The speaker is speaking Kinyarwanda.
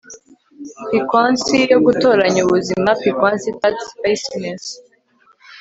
Piquancy yo gutoranya ubuzima piquancy tart spiciness